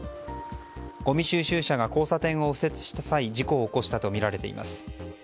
ごみ収集車が交差点を右折した際事故を起こしたとみられています。